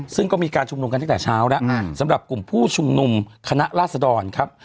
ซึ่งก็มีการชุมนุมกันตั้งแต่เช้าแล้วสำหรับกลุ่มผู้ชุมนุมคณะราษดรครับ